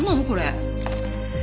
これ。